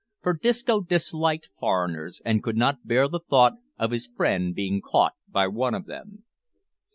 for Disco disliked foreigners, and could not bear the thought of his friend being caught by one of them.